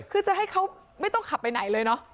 คือจะให้เขาไม่ต้องขับไปไหนเลยเนอะ